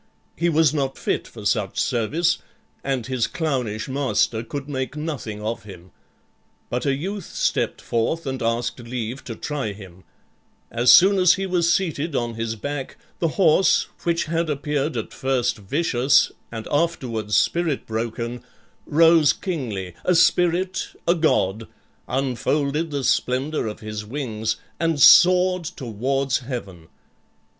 He was not fit for such service, and his clownish master could make nothing of him But a youth stepped forth and asked leave to try him As soon as he was seated on his back the horse, which had appeared at first vicious, and afterwards spirit broken, rose kingly, a spirit, a god, unfolded the splendor of his wings, and soared towards heaven.